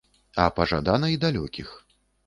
А пажадана і далёкіх.